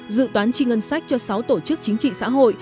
dự toán chi ngân sách cho sáu tổ chức chính trị xã hội